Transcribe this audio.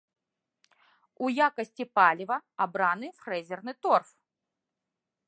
У якасці паліва абраны фрэзерны торф.